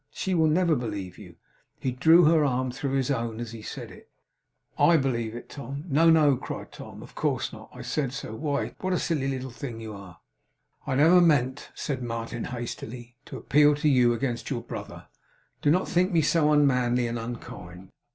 She will never believe you.' He drew her arm through his own, as he said it. 'I believe it, Tom!' 'No, no,' cried Tom, 'of course not. I said so. Why, tut, tut, tut. What a silly little thing you are!' 'I never meant,' said Martin, hastily, 'to appeal to you against your brother. Do not think me so unmanly and unkind.